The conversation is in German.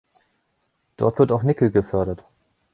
Dort wird auch Nickel gefördert.